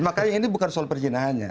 makanya ini bukan soal perjinahannya